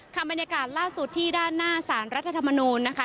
บรรยากาศล่าสุดที่ด้านหน้าสารรัฐธรรมนูลนะคะ